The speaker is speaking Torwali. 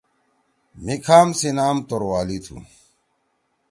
مھی کھام سی نام توروالی تُھو۔